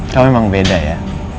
kamu memang beda ya